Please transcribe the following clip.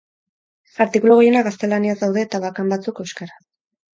Artikulu gehienak gaztelaniaz daude eta bakan batzuk euskaraz.